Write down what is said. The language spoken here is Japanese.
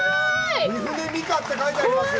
三船美佳って書いてありますよ。